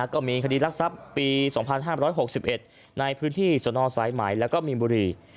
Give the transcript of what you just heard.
ก็มีคดีรักทรัพย์ปี๒๕๖๑ในพื้นที่ส่วนนอร์ซ้ายหมายแล้วก็มีบุรี